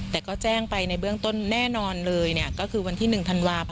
แต่ก็แจ้งไปในเบื้องต้นแน่นอนเลยก็คือวันที่๑ธันวาคม